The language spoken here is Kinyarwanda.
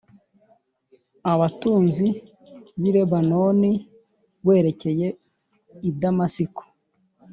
Abatunzi bi Lebanoni Werekeye i Damasiko